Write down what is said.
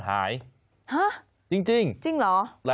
ฮั้าจริงเจ้าสู้ใหม่ไง